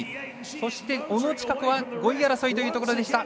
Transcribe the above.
そして小野智華子は５位争いというところでした。